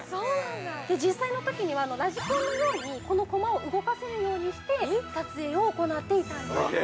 ◆実際のときには、ラジコンのようにこの駒を動かせるようにして撮影を行っていたんです。